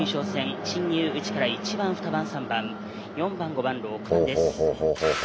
進入内から１番２番３番４番５番６番です。